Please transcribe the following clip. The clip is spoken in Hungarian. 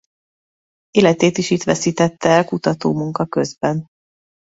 Életét is itt veszítette el kutatómunka közben.